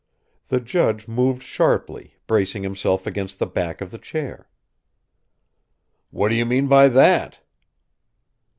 The judge moved sharply, bracing himself against the back of the chair. "What do you mean by that?"